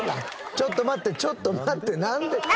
ちょっと待ってちょっと待ってなんで？